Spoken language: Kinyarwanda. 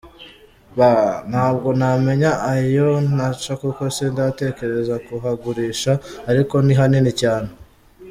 B: Ntabwo namenya ayo naca kuko sindatekereza kuhagurisha ariko ni hanini cyane.